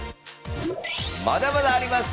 まだまだあります。